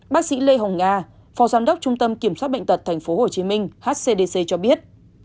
bác sĩ lê hồng nga phó giám đốc trung tâm kiểm soát bệnh tật tp hcm hcdc cho biết